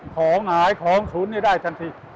ของอายของชุ้นนี้ได้ทันที